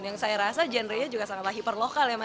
yang saya rasa genre nya juga sangatlah hiper lokal ya mas